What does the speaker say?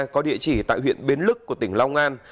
có địa chỉ tại huyện bến lức của tỉnh long an